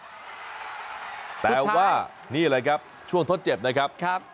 สุดท้ายแปลว่านี่อะไรครับช่วงทดเจ็บนะครับครับ